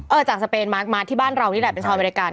จากสเปนมามาที่บ้านเรานี่แหละเป็นชาวอเมริกัน